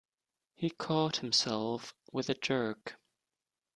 He caught himself with a jerk.